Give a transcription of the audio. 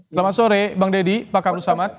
selamat sore bang deddy pak kapru samad